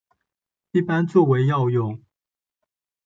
一般作为药用。